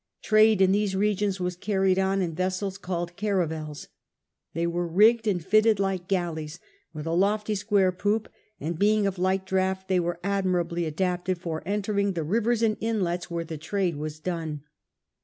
Trade in these regions was carried on in vessels called caravels. They were rigged and fitted like galleys, with a lofty square poop, and being of light draught, they were admirably adapted for entering the rivers and inlets where the trade was done.